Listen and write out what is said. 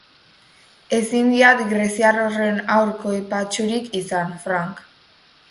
Ezin diat greziar horren haur koipatsurik izan, Frank.